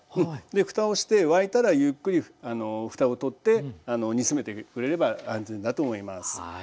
ふたをして沸いたらゆっくりふたを取って煮詰めてくれれば安全だと思います。